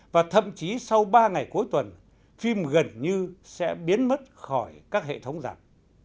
và thậm chí sau ba ngày cuối tuần phim gần như sẽ biến mất khỏi các hệ thống giảm